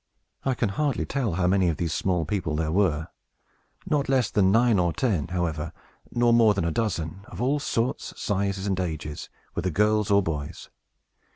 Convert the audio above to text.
I can hardly tell how many of these small people there were; not less than nine or ten, however, nor more than a dozen, of all sorts, sizes, and ages, whether girls or boys.